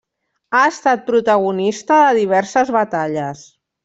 Ha estat protagonista de diverses batalles.